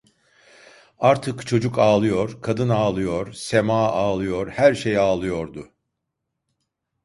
Artık çocuk ağlıyor, kadın ağlıyor, semâ ağlıyor, her şey ağlıyordu.